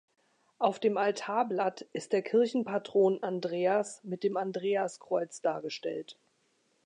Auf dem Altarblatt ist der Kirchenpatron Andreas mit dem Andreaskreuz dargestellt.